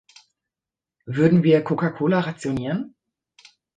Würden wir Coca Cola rationieren?